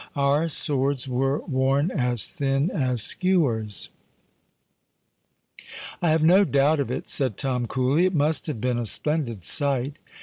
Our swords were worn as thin as skewers——" "I have no doubt of it," said Tom coolly. "It must have been a splendid sight."